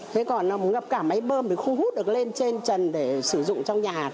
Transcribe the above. thế còn ngập cả máy bơm thì không hút được lên trên trần để sử dụng trong nhà